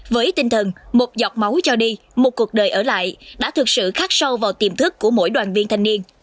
với tinh thần một giọt máu cho đi một cuộc đời ở lại đã thực sự khác sâu vào tiềm thức của mỗi đoàn viên thanh niên